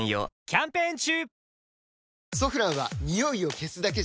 キャンペーン中！